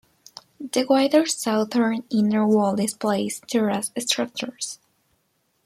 The wider southern inner wall displays terrace structures.